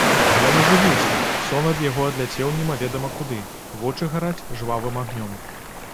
Ён ажывіўся, сон ад яго адляцеў немаведама куды, вочы гараць жвавым агнём.